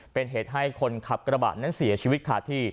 เป็นเหตุให้คนขับกระบะนั้นเสียชีวิตขาดที่